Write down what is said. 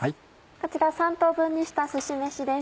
こちら３等分にしたすし飯です。